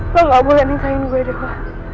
lo gak boleh nikahin gue dewa